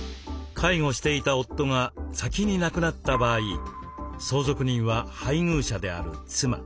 介護していた夫が先に亡くなった場合相続人は配偶者である妻。